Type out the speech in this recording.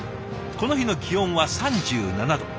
この日の気温は３７度。